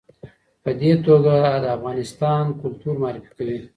په دې توګه د افغانستان کلتور معرفي کوي.